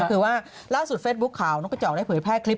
ก็คือว่าล่าสุดเฟซบุ๊คข่าวนกกระจอกได้เผยแพร่คลิป